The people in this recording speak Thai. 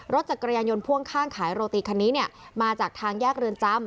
รถจักรยานยนต์พ่วงข้างขายโรตีคันนี้เนี่ยมาจากทางแยกเรือนจำ